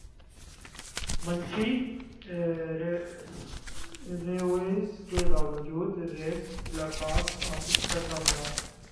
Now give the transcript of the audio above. منفی ریویوز کے باوجود ریس باکس افس پر کامیاب